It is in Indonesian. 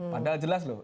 padahal jelas loh